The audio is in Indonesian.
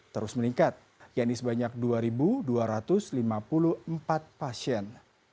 terus meningkat yakni sebanyak dua dua ratus lima puluh empat pasien